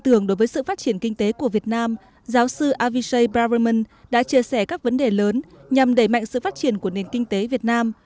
tưởng đối với sự phát triển kinh tế của việt nam giáo sư avishai barverman đã chia sẻ các vấn đề lớn nhằm đẩy mạnh sự phát triển của nền kinh tế việt nam